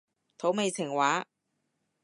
土味情話